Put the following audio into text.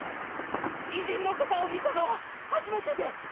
異人の方を見たのは初めてで！